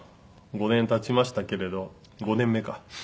５年経ちましたけれど５年目か。